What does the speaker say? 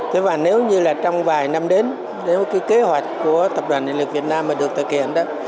thế và nếu như là trong vài năm đến nếu cái kế hoạch của tập đoàn điện lực việt nam mà được thực hiện đó